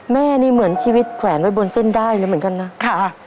แม่นี่เหมือนชีวิตแขวนไว้บนเส้นได้เลยเหมือนกันนะค่ะ